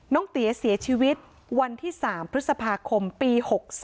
เตี๋ยเสียชีวิตวันที่๓พฤษภาคมปี๖๒